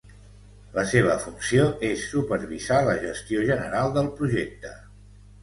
La seva funció és supervisar la gestió general del projecte.